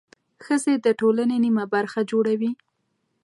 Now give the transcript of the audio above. ښځې د ټولنې نیمه برخه جوړوي.